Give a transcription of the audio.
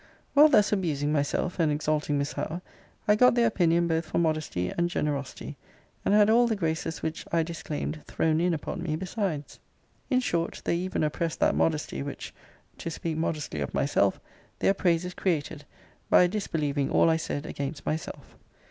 While thus abusing myself, and exalting Miss Howe, I got their opinion both for modesty and generosity; and had all the graces which I disclaimed thrown in upon me besides. In short, they even oppressed that modesty, which (to speak modestly of myself) their praises created, by disbelieving all I said against myself.